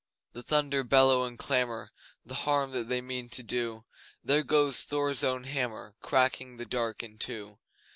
The thunder bellow and clamour The harm that they mean to do; There goes Thor's Own Hammer Cracking the dark in two!